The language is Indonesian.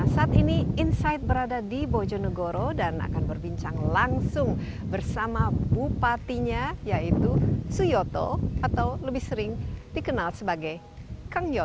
saat ini insight berada di bojonegoro dan akan berbincang langsung bersama bupatinya yaitu suyoto atau lebih sering dikenal sebagai kang yor